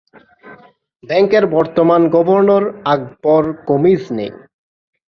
ব্যাংকের বর্তমান গভর্নর আকবর কোমিজনী।